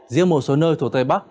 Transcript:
riêng một số nơi thuộc tây bắc